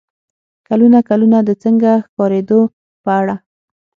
کلونه کلونه د "څنګه ښکارېدو" په اړه